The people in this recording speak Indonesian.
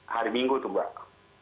hari minggu itu mbak